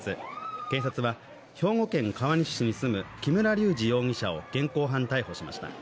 警察は兵庫県川西市に住む木村隆二容疑者を現行犯逮捕しました。